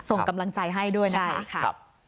ส่งกำลังใจให้ด้วยนะคะ